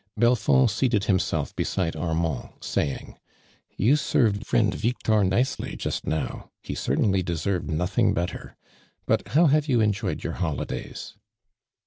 Belfoutl seated himself beside Armand, saying: •' You served friend A'ictor nicely, just now. lie certaiidy deserved nothing better. But how have you en, joyeJ your holidays